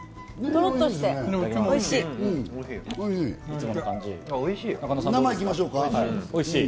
とろっとしておいしい。